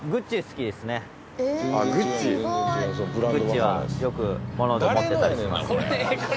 ＧＵＣＣＩはよく物で持ってたりします。